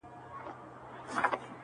ته چي را سره یې له انار سره مي نه لګي؛